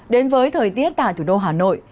đến với thời tiết tại thủ đô hà nội